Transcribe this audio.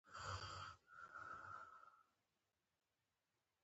سیلابونه د افغانستان د بشري فرهنګ یوه برخه ده.